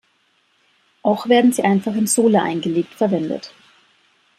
Auch werden sie einfach in Sole eingelegt verwendet.